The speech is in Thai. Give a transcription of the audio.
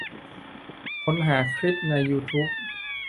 ค้นหาคลิปในยูทูบ